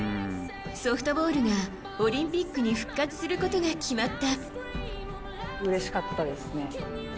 ソフトボールがオリンピックに復活することが決まった。